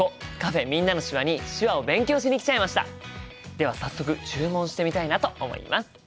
では早速注文してみたいなと思います。